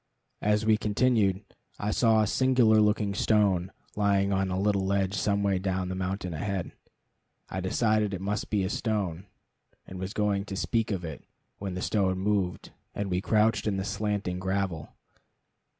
As we continued, I saw a singular looking stone lying on a little ledge some way down the mountain ahead. I decided it must be a stone, and was going to speak of it, when the stone moved, and we crouched in the slanting gravel.